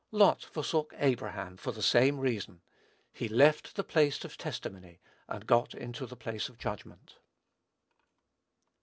Lot forsook Abraham for the same reason. He left the place of testimony, and got into the place of judgment.